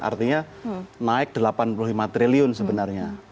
artinya naik rp delapan puluh lima triliun sebenarnya